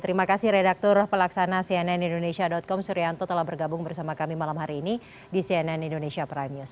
terima kasih redaktur pelaksana cnn indonesia com suryanto telah bergabung bersama kami malam hari ini di cnn indonesia prime news